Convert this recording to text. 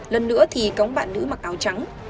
lần nữa thì cống bạn nữ mặc áo trắng